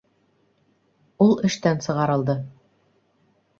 Ул эштән сығарылды